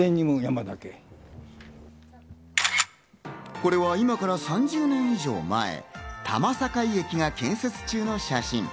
これは今から３０年以上前、多摩境駅の建設中の写真。